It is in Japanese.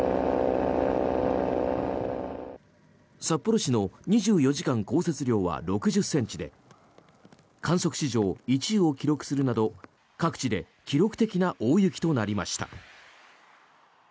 札幌市の２４時間降雪量は６０ｃｍで観測史上１位を記録するなど各地で記録的な大雪となりました。